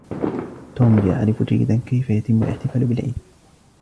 توم يعرف جيداً كيف يتم الاحتفال بالعيد